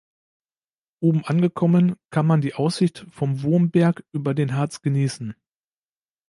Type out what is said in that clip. Oben angekommen kann man die Aussicht vom Wurmberg über den Harz genießen.